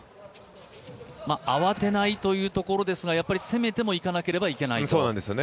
慌てないというてところですが攻めてもいかないといけない。